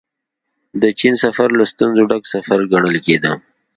د چين سفر له ستونزو ډک سفر ګڼل کېده.